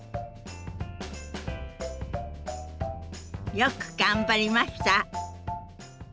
よく頑張りました。